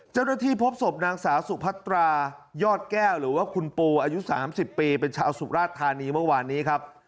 เจ้าหน้าที่พบศพนางสาวสุพัตรายอดแก้วหรือว่าคุณปูอายุ๓๐ปีเป็นชาวสุราชธานีเมื่อวานนี้ครับ